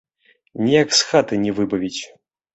Ніяк з хаты не выбавіць!